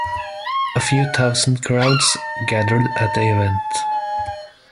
A few thousand crowds gathered at the event.